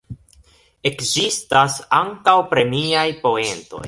Ekzistas ankaŭ premiaj poentoj.